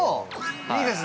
いいですね。